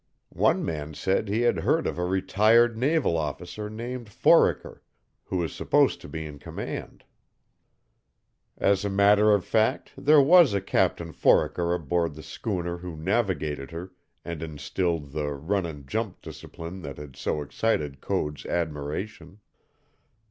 One man said he had heard of a retired naval officer named Foraker, who was supposed to be in command. As a matter of fact, there was a Captain Foraker aboard the schooner who navigated her and instilled the "run and jump" discipline that had so excited Code's admiration.